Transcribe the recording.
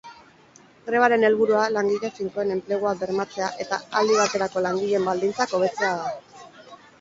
Grebaren helburua langile finkoen enplegua bermatzea eta aldi baterako langileen baldintzak hobetzea da.